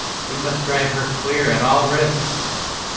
"We must drive her clear at all risks."